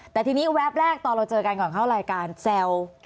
แต่ทีนี้แวบแรกตอนเราเจอกันก่อนเข้ารายการแซว